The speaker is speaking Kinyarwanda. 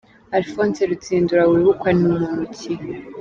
Alphonse Rutsindura wibukwa ni muntu ki?.